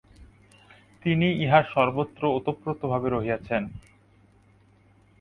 তিনি ইহার সর্বত্র ওতপ্রোত রহিয়াছেন।